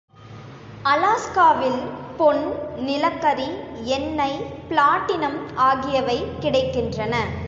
அலாஸ்காவில் பொன், நிலக்கரி, எண்ணெய், பிளாட்டினம் ஆகியவை கிடைக்கின்றன.